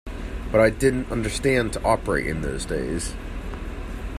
But I didn't understand to operate in those days.